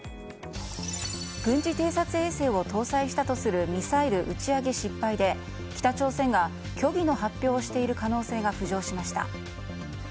軍事偵察衛星を搭載したとするミサイル打ち上げ失敗で北朝鮮が虚偽の発表をしている可能性が浮上しました。